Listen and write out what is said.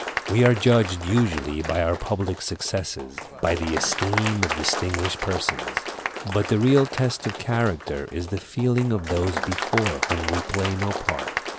We are judged usually by our public successes, by the esteem of distinguished persons. But the real test of character is the feeling of those before whom we play no part.